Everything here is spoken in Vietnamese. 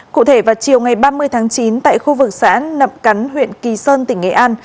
cụ thể vào chiều ngày ba mươi tháng chín tại khu vực xã nậm cắn huyện kỳ sơn tỉnh nghệ an